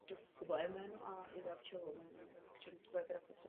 Tím se ve značné míře vyhovuje přáním vyjádřeným ve zprávě.